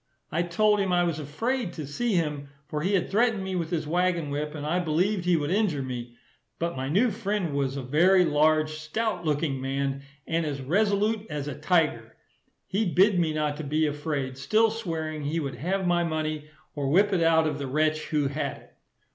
I told him I was afraid to see him, for he had threatened me with his waggon whip, and I believed he would injure me. But my new friend was a very large, stout looking man, and as resolute as a tiger. He bid me not to be afraid, still swearing he would have my money, or whip it out of the wretch who had it.